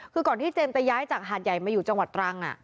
คือก่อนที่เจมส์จะย้ายจากหาดใหญ่มาอยู่จังหวัดตรัง